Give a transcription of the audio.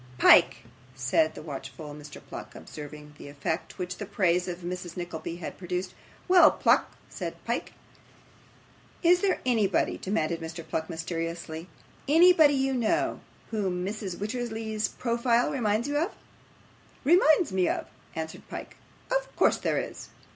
'Pyke,' said the watchful Mr. Pluck, observing the effect which the praise of Miss Nickleby had produced. 'Well, Pluck,' said Pyke. 'Is there anybody,' demanded Mr. Pluck, mysteriously, 'anybody you know, that Mrs. Wititterly's profile reminds you of?' 'Reminds me of!' answered Pyke. 'Of course there is.